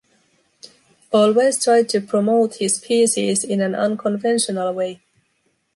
Always tried to promote his pieces in an unconventional way.